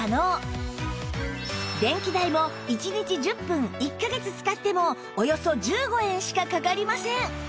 電気代も１日１０分１カ月使ってもおよそ１５円しかかかりません